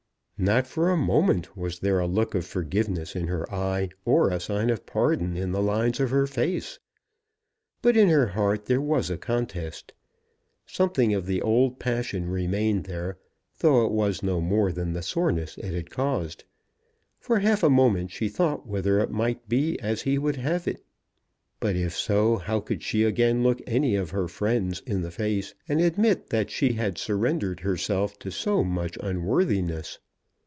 Not for a moment was there a look of forgiveness in her eye, or a sign of pardon in the lines of her face. But in her heart there was a contest. Something of the old passion remained there, though it was no more than the soreness it had caused. For half a moment she thought whether it might not be as he would have it. But if so, how could she again look any of her friends in the face and admit that she had surrendered herself to so much unworthiness?